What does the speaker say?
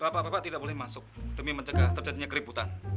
bapak bapak tidak boleh masuk demi mencegah terjadinya keributan